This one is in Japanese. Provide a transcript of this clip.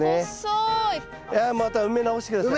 いやまた埋め直して下さい。